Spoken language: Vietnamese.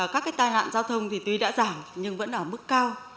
các cái tai nạn giao thông thì tuy đã giảm nhưng vẫn ở mức cao